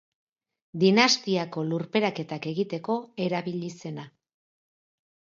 Dinastiako lurperaketak egiteko erabili zena.